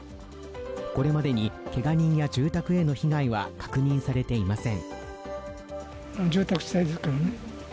これまでにけが人や住宅への被害は確認されていません。